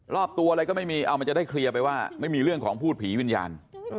รอบตัวอะไรก็ไม่มีเอามันจะได้เคลียร์ไปว่าไม่มีเรื่องของพูดผีวิญญาณ